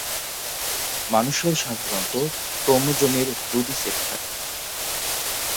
মানুষের সাধারণত ক্রোমোজোমের দুই সেট থাকে।